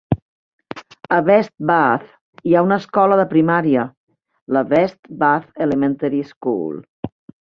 A West Bath hi ha una escola de primària, la West Bath Elementary School.